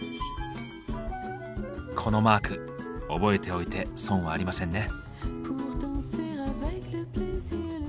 このマーク覚えておいて損はありませんね。